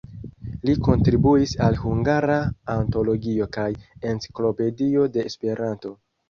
Li kontribuis al "Hungara Antologio" kaj "Enciklopedio de Esperanto".